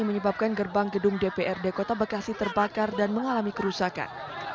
menyebabkan gerbang gedung dprd kota bekasi terbakar dan mengalami kerusakan